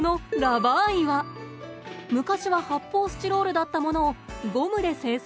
昔は発泡スチロールだったものをゴムで制作。